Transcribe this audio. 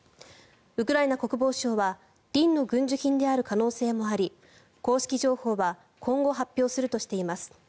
ウクライナ国防省はリンの軍需品である可能性もあり公式情報は今後、発表するとしています。